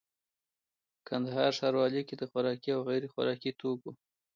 کندهار ښاروالي کي د خوراکي او غیري خوراکي توکو